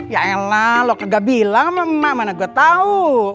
yaelah lo kagak bilang sama emak mana gue tahu